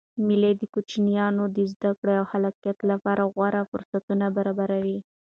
مېلې د کوچنيانو د زدکړي او خلاقیت له پاره غوره فرصتونه برابروي.